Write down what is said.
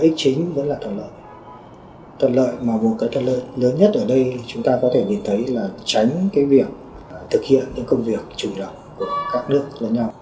thật lợi mà một cái thật lợi lớn nhất ở đây chúng ta có thể nhìn thấy là tránh cái việc thực hiện những công việc chủ động của các nước lớn nhau